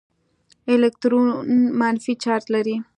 الکترون منفي چارج لري.